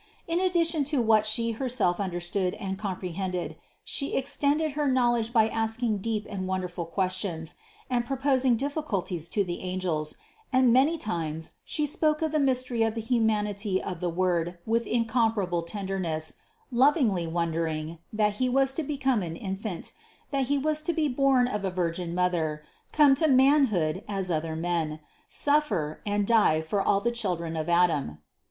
In addition to what She herself understood and comprehended, She extended her knowledge by asking deep and wonderful questions, and proposing difficulties to the angels, and many times She spoke of the mystery of the humanity of the Word with incomparable tenderness, lovingly wondering, that He was to become an infant, that He was to be born of a Virgin Mother, come to manhood, as other men, suffer, and die for all the children of Adam.